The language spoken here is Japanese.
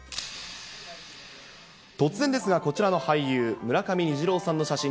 突然ですがこちらの俳優、村上虹郎さんの写真。